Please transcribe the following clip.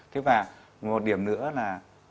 thế và một điểm nữa là